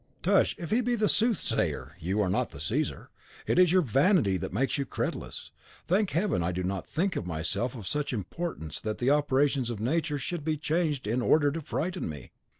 "Tush! If he be the soothsayer, you are not the Caesar. It is your vanity that makes you credulous. Thank Heaven, I do not think myself of such importance that the operations of Nature should be changed in order to frighten me."